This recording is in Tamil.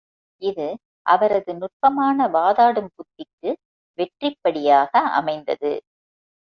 இது, அவரது நுட்பமான வாதாடும் புத்திக்கு வெற்றிப் படியாக அமைந்தது.